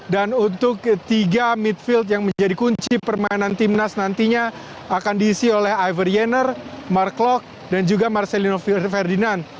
dan untuk tiga midfield yang menjadi kunci permainan timnas nantinya akan diisi oleh iver jenner mark locke dan juga marcelino ferdinand